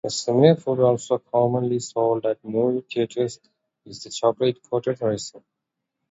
A similar food, also commonly sold at movie theaters, is the chocolate-coated raisin.